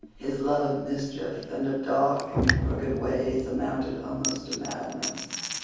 His love of mischief and of dark and crooked ways amounted almost to madness.